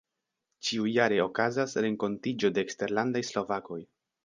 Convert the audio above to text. Ĉiujare okazas renkontiĝo de eksterlandaj slovakoj.